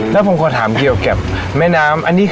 แล้วผมควรถามเกี่ยวกับแม่น้ำ